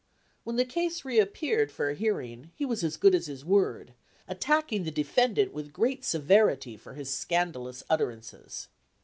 When the case reappeared for a hearing, he was as good as his word, attacking the defendant with great severity for his scanda lous utterances.